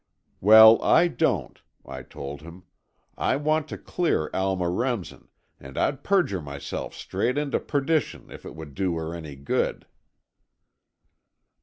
"Well, I don't," I told him. "I want to clear Alma Remsen, and I'd perjure myself straight into perdition if it would do her any good."